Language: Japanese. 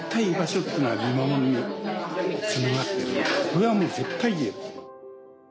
これはもう絶対言える。